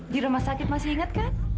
di rumah sakit masih ingat kan